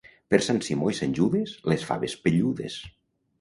Per Sant Simó i Sant Judes, les faves pelludes.